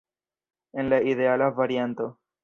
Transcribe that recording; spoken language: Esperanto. En la ideala varianto.